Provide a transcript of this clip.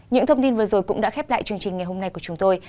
những thông tin vừa rồi cũng đã khép lại chương trình ngày hôm nay của chúng tôi